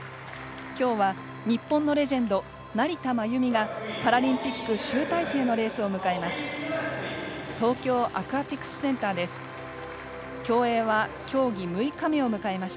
今日は日本のレジェンド成田真由美選手がパラリンピック集大成のレースを迎えます。